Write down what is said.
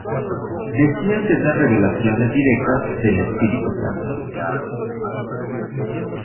Decían tener revelaciones directas del Espíritu Santo.